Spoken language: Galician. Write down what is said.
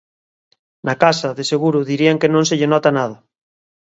Na casa, de seguro, dirían que non se lle nota nada